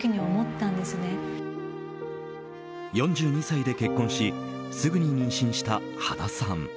４２歳で結婚しすぐに妊娠した羽田さん。